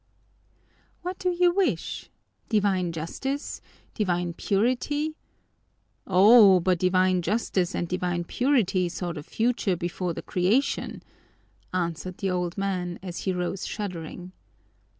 "What do you wish? Divine Justice, divine Purity " "Oh, but divine Justice and divine Purity saw the future before the creation," answered the old man, as he rose shuddering.